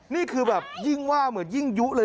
นี่คือแบบยิ่งว่าเหมือนยิ่งยุเลย